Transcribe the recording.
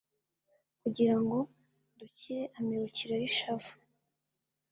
kugirango ngo dukire ,amibukiro y’ishavu